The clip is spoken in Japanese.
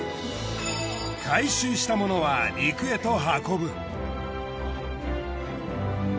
回収したものは陸へと運ぶ。